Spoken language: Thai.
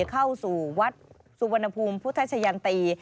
เข้าสู่วัดสุวรรณภูมิพุทธชะยันตี